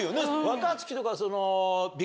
若槻とか。